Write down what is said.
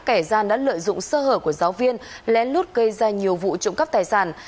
kẻ gian đã lợi dụng sơ hở của giáo viên lén lút gây ra nhiều vụ trộm cắp tài sản